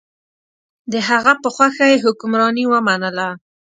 د هغه په خوښه یې حکمراني ومنله.